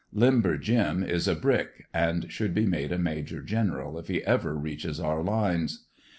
"Limber Jim" is a brick, and should be made a Major General if he ever reaches our lines.